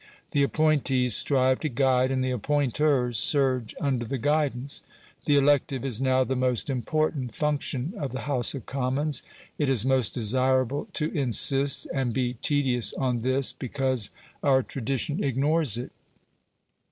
The appointees strive to guide, and the appointers surge under the guidance. The elective is now the most important function of the House of Commons. It is most desirable to insist, and be tedious, on this, because our tradition ignores it.